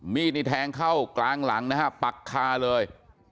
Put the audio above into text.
มีดนี่แทงเข้ากลางหลังนะฮะปักคาเลย